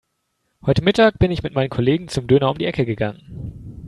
Heute Mittag bin ich mit meinen Kollegen zum Döner um die Ecke gegangen.